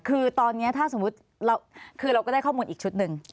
คือตอนนี้ถ้าสมมุติคือเราก็ได้ข้อมูลอีกชุดหนึ่ง